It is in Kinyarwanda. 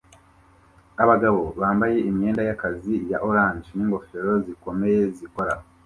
Abagabo bambaye imyenda yakazi ya orange ningofero zikomeye zikora